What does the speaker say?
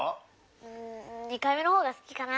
うん２回目の方がすきかな。